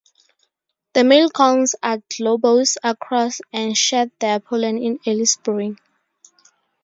The male cones are globose, across, and shed their pollen in early spring.